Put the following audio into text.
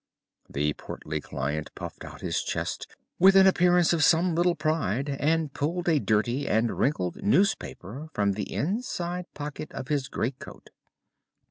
The portly client puffed out his chest with an appearance of some little pride and pulled a dirty and wrinkled newspaper from the inside pocket of his greatcoat.